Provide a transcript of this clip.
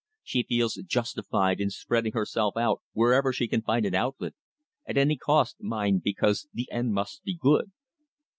She feels justified in spreading herself out wherever she can find an outlet at any cost, mind, because the end must be good."